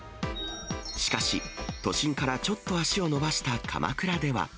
しかし都心からちょっと足を伸ばした鎌倉では。